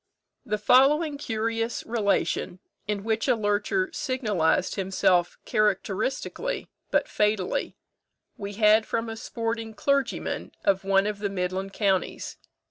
The following curious relation, in which a lurcher signalised himself characteristically but fatally, we had from a sporting clergyman of one of the midland counties.